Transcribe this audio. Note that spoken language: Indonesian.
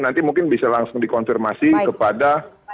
nanti mungkin bisa langsung dikonfirmasi kepada